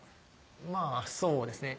まぁそうですね